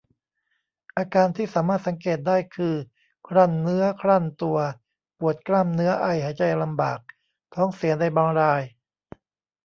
อาการที่สามารถสังเกตได้คือ ครั่นเนื้อครั่นตัว ปวดกล้ามเนื้อ ไอ หายใจลำบาก ท้องเสีย ในบางราย